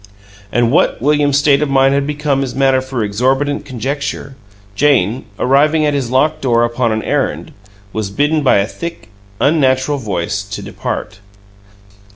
And what William's state of mind had become is matter for exorbitant conjecture. Jane, arriving at his locked door upon an errand, was bidden by a thick, unnatural voice to depart.